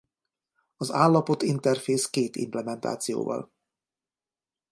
Az állapot interfész két implementációval.